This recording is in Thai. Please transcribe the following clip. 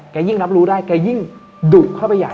ยิ่งรับรู้ได้แกยิ่งดุเข้าไปใหญ่